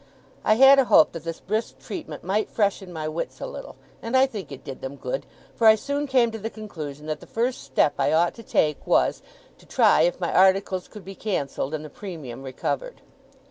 I had a hope that this brisk treatment might freshen my wits a little; and I think it did them good, for I soon came to the conclusion that the first step I ought to take was, to try if my articles could be cancelled and the premium recovered.